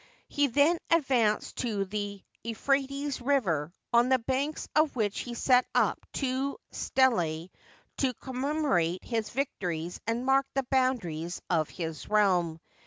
He then advanced to the Euphra tes River, on the banks of which he set up two stelae to commemorate his victories and mark the boundaries of his realm.